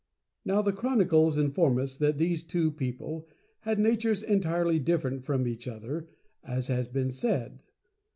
Now, the Chronicles inform us that these Two Peo ple had natures entirely different from each other, as has been said.